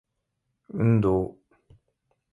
運動